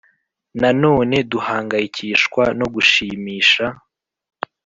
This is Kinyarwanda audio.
Nanone duhangayikishwa no gushimisha